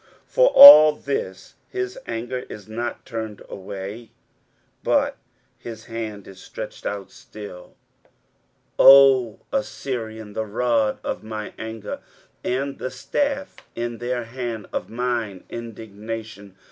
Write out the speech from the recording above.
For all this his anger is not turned away, but his hand is stretched out still. 23:010:005 O Assyrian, the rod of mine anger, and the staff in their hand is mine indignation.